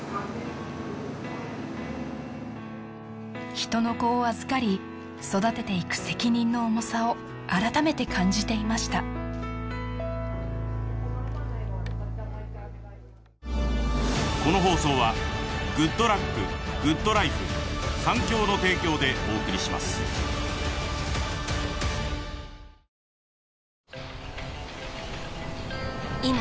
人の子を預かり育てていく責任の重さを改めて感じていました確定申告終わった。